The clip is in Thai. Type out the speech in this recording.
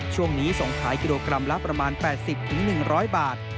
ช่วงนี้ส่งขายกิโลกรัมละประมาณ๘๐๑๐๐บาท